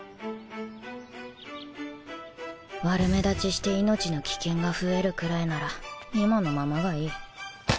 悪目立ちして命の危険が増えるくらいなら今のままがいい